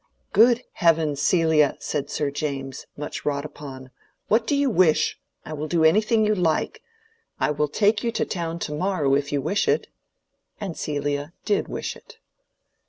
"Good heavens, Celia!" said Sir James, much wrought upon, "what do you wish? I will do anything you like. I will take you to town to morrow if you wish it." And Celia did wish it.